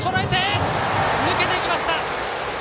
抜けていきました！